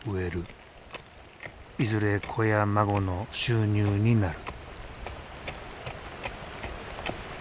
いずれ子や孫の収入になる。